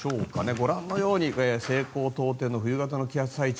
ご覧のように西高東低の冬型の気圧配置